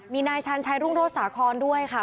มีนายชาญชัยรุ่งโรศสาครด้วยค่ะ